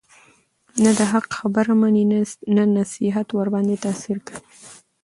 نه د حق خبره مني، نه نصيحت ورباندي تأثير كوي،